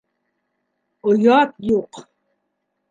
Оят юҡ!